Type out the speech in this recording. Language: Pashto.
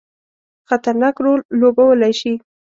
خطرناک رول لوبولای شي.